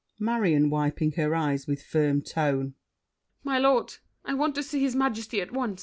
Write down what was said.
MARION (wiping her eyes: with firm tone). My lord, I want to see his Majesty at once!